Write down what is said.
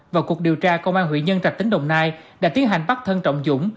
vào cuộc điều tra công an hủy nhân trạch tính đồng nai đã tiến hành bắt thân trọng dũng